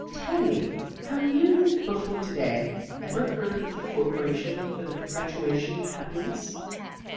Tell me, have you, before to day, ever heard of the Corporation for the Perpetuation of Happiness?"